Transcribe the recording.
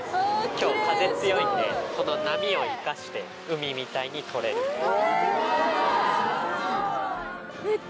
今日風強いんで波を生かして海みたいに撮れる。